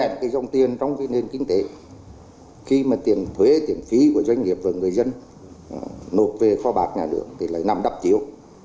cứ tắt nghệ dòng tiền trong nền kinh tế khi mà tiền thuế tiền phí của doanh nghiệp và người dân nộp về kho bạc nhà nước thì lại nằm đắp chiếu